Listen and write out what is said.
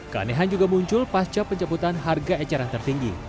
keanehan juga muncul pasca pencaputan harga eceran tertinggi